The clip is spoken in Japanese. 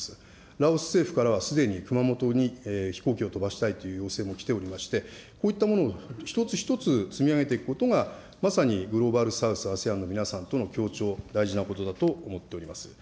ラオス政府からは、すでに熊本に飛行機を飛ばしたいという要請が来ておりまして、こういったものを一つ一つ積み上げていくことが、まさにグローバル・サウス、ＡＳＥＡＮの皆さんとの協調、大事なことだと思っております。